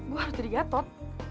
gue harus jadi gatot